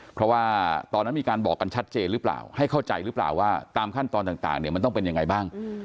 เพราะว่าตอนนั้นมีการบอกกันชัดเจนหรือเปล่าให้เข้าใจหรือเปล่าว่าตามขั้นตอนต่างเนี่ยมันต้องเป็นยังไงบ้าง